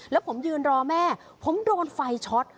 แล้วผมยืนรอแม่ผมโดนไฟช็อต